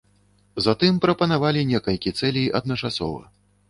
Затым прапанавалі некалькі цэлей адначасова.